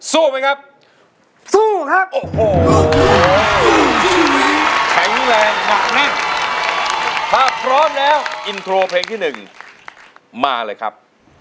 ไหมครับสู้ครับโอ้โหช่วงนี้แข็งแรงหนักแน่นถ้าพร้อมแล้วอินโทรเพลงที่หนึ่งมาเลยครับ